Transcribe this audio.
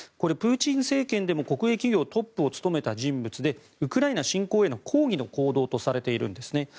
プーチン政権でも国営企業のトップを務めた人物でウクライナ侵攻への抗議の行動とされているんです。